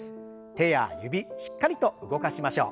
手や指しっかりと動かしましょう。